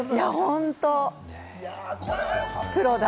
本当プロだ。